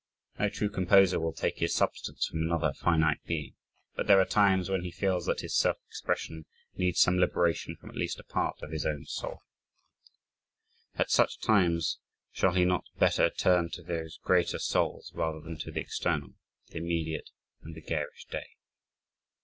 No true composer will take his substance from another finite being but there are times, when he feels that his self expression needs some liberation from at least a part of his own soul. At such times, shall he not better turn to those greater souls, rather than to the external, the immediate, and the "Garish Day"?